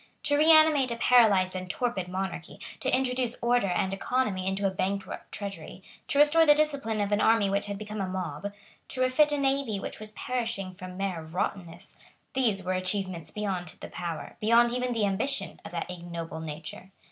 To reanimate a paralysed and torpid monarchy, to introduce order and economy into a bankrupt treasury, to restore the discipline of an army which had become a mob, to refit a navy which was perishing from mere rottenness, these were achievements beyond the power, beyond even the ambition, of that ignoble nature.